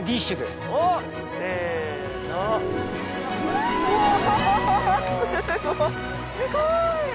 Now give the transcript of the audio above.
すごーい！